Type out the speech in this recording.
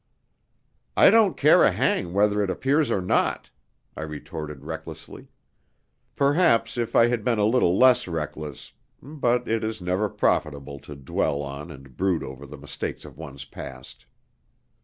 "I don't care a hang whether it appears or not," I retorted recklessly. Perhaps if I had been a little less reckless but it is never profitable to dwell on and brood over the mistakes of one's past.